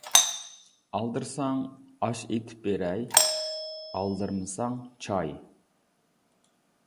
ئالدىرىساڭ ئاش ئېتىپ بېرەي، ئالدىرىمىساڭ چاي.